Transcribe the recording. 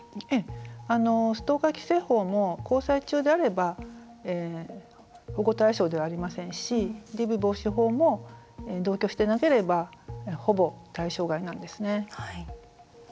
ストーカー規制法も交際中であれば保護対象ではありませんしＤＶ防止法も同居してなければほぼ対象外なんですね。